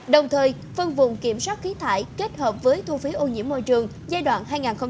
đồng thời phân vùng kiểm soát khí thải kết hợp với thu phí ô nhiễm môi trường giai đoạn hai nghìn hai mươi một hai nghìn ba mươi